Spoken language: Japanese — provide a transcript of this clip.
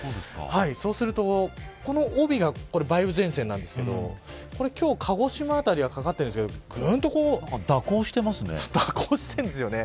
そうすると、この帯が梅雨前線なんですけど今日、鹿児島辺りはかかっているんですがぐんと蛇行してるんですよね。